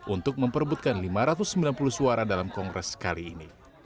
untuk memperbutkan lima ratus sembilan puluh suara dalam kongres kali ini